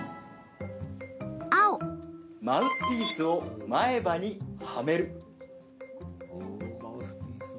マウスピースを前歯にはめる。